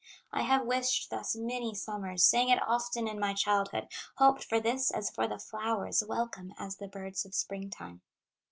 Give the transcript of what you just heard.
"I have wished thus many summers, Sang it often in my childhood, Hoped for this as for the flowers, Welcome as the birds of spring time.